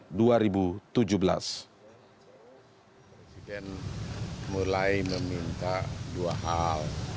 presiden mulai meminta dua hal